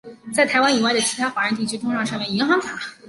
在台湾以外的其他华人地区通常称为银行卡。